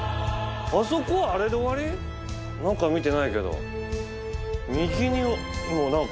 中見てないけど。